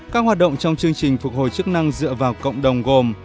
các hoạt động trong chương trình phục hồi chức năng dựa vào cộng đồng gồm